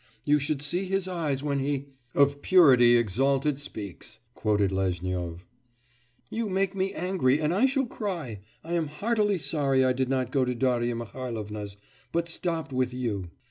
You should see his eyes when he ' '"Of purity exalted speaks,"' quoted Lezhnyov. 'You make me angry, and I shall cry. I am heartily sorry I did not go to Darya Mihailovna's, but stopped with you.